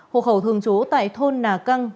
hộ khẩu thường chú tại thôn nà căng